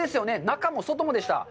中も外もでした。